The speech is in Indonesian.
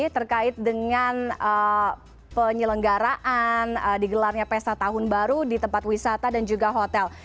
terkait dengan penyelenggaraan digelarnya pesta tahun baru di tempat wisata dan juga hotel